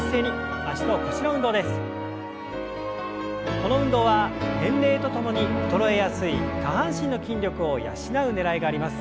この運動は年齢とともに衰えやすい下半身の筋力を養うねらいがあります。